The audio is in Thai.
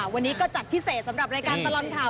วันนี้ก็จัดพิเศษสำหรับรายการตลอดข่าว